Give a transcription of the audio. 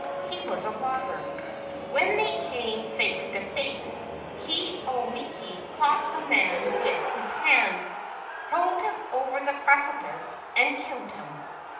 He was a robber. When they came face to face, Ke au miki caught the man with his hand, hurled him over the precipice and killed him.